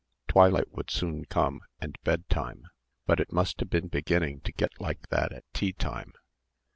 Twilight would soon come, and bed time. But it must have been beginning to get like that at tea time.